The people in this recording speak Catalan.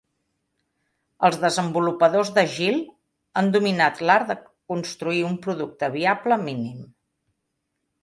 Els desenvolupadors d'Agile han dominat l'art de construir un producte viable mínim.